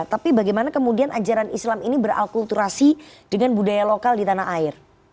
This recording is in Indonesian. tapi bagaimana kemudian ajaran islam ini beralkulturasi dengan budaya lokal di tanah air